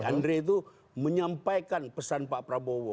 andre itu menyampaikan pesan pak prabowo